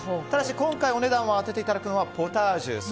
ただし今回を当てていただくのはポタージュ。